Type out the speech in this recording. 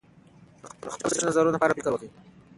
د خپلو شخصي نظرونو په اړه فکر وکړئ.